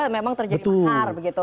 memang terjadi mahar begitu